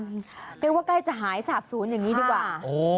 นึกว่าใกล้จะหายสาป๐อย่างนี้ดีกว่า